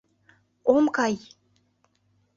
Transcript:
Ом кай!